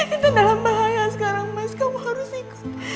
itu dalam bahaya sekarang mas kamu harus ikut